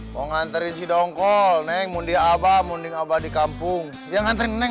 mengantar isi dongkol neng mundi abah munding abah di kampung yang nganterin